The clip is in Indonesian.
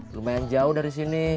lumayan jauh dari sini